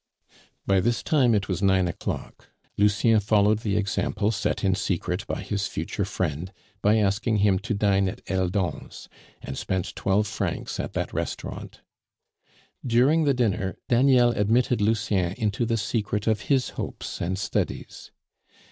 By this time it was nine o'clock; Lucien followed the example set in secret by his future friend by asking him to dine at Eldon's, and spent twelve francs at that restaurant. During the dinner Daniel admitted Lucien into the secret of his hopes and studies.